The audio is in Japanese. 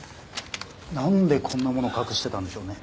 なんでこんなもの隠してたんでしょうね。